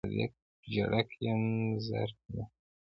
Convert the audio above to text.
صادق ژړک یم زرک نه.